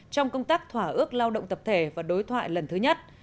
trong công tác thỏa ước lao động tập thể và đối thoại lần thứ nhất